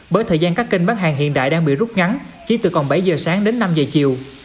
bởi thời gian các kênh bán hàng hiện đại đang bị rút ngắn chỉ từ còn bảy giờ sáng đến năm giờ chiều